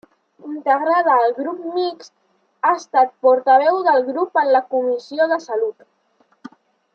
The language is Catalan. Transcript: Integrada al Grup Mixt, ha estat portaveu del grup en la Comissió de Salut.